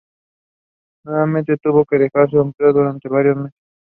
Nuevamente, tuvo que dejar su empleo durante varios meses.